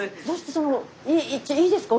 そのいいですか？